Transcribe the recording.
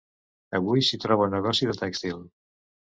Avui s'hi troba un negoci de tèxtil.